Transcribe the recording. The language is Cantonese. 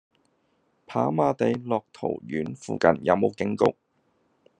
跑馬地樂陶苑附近有無警局？